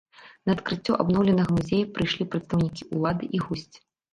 На адкрыццё абноўленага музея прыйшлі прадстаўнікі ўлады і госці.